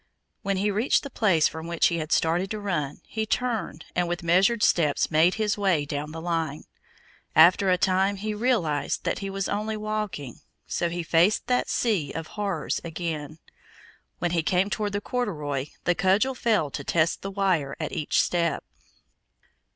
When he reached the place from which he had started to run, he turned and with measured steps made his way down the line. After a time he realized that he was only walking, so he faced that sea of horrors again. When he came toward the corduroy, the cudgel fell to test the wire at each step.